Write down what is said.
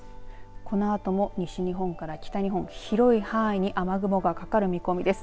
このあとも西日本から北日本広い範囲に雨雲がかかる見込みです。